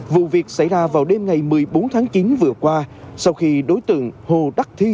vụ việc xảy ra vào đêm ngày một mươi bốn tháng chín vừa qua sau khi đối tượng hồ đắc thi